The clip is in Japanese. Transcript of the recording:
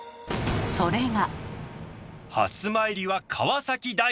それが。